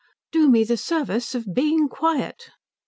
"Do me the service of being quiet."